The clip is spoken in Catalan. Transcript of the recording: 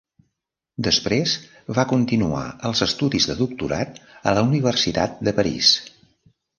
Després va continuar els estudis de doctorat a la Universitat de París.